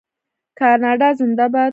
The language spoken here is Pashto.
کاناډا زنده باد.